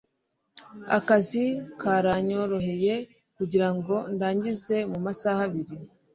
akazi karanyoroheye kugirango ndangize mumasaha abiri